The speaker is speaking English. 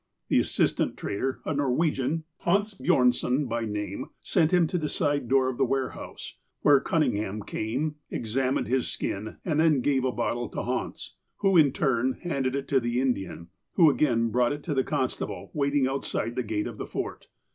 The assistant trader, a Norwegian, Hans Bjornson by name, sent him to the side door of the warehouse, where Cunningham came, examined his skin, and then gave a bottle to Hans, who, in turn, handed it to the Indian, who again brought it to the constable waiting outside the gate of the Fort.